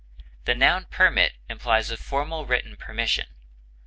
The noun permit implies a formal written permission.